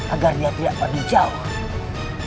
agar dia tidak pergi jauh